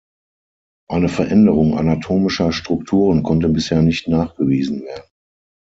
Eine Veränderung anatomischer Strukturen konnte bisher nicht nachgewiesen werden.